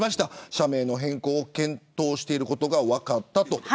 社名の変更を検討していることが分かったと。